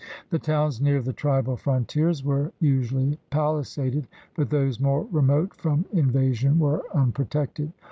The towns near the tribal frontiers were usually palisaded, but those more remote from in vasion were unprotected.